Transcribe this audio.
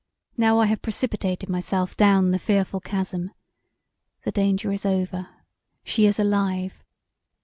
Now I have precipitated myself down the fearful chasm! The danger is over; she is alive!